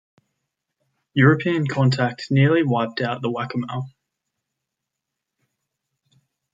European contact nearly wiped out the Waccamaw.